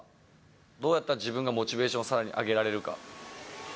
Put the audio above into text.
どうやったら自分のモチベーションをさらに上げられるか。